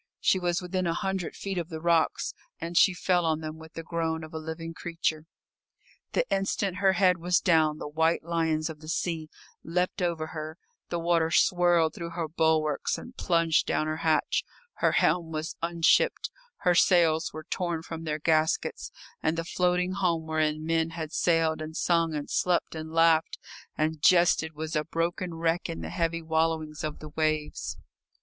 She was within a hundred feet of the rocks, and she fell on them with the groan of a living creature. The instant her head was down the white lions of the sea leapt over her, the water swirled through her bulwarks and plunged down her hatch; her helm was unshipped, her sails were torn from their gaskets, and the floating home wherein men had sailed and sung and slept and laughed and jested was a broken wreck in the heavy wallowings of the waves.